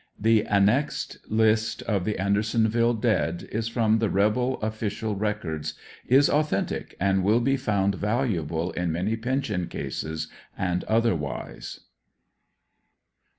The annexed list of the Andersonville dead is from the rebel official records, is authentic, and will be found valuable in many pension cases and otherwise.